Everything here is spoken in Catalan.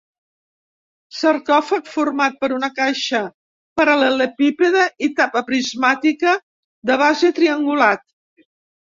Sarcòfag format per una caixa paral·lelepípede i tapa prismàtica de base triangulat.